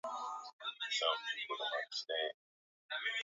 Namna ya kukabiliana na ugonjwa wa kutupa mimba ni kuwapa wanyama chanjo